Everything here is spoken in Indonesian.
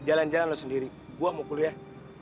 jalan jalan loh sendiri gue mau kuliah